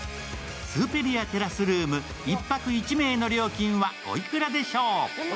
スーペリアテラスルーム、１泊１名の料金はおいくらでしょう？